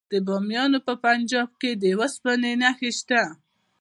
د بامیان په پنجاب کې د وسپنې نښې شته.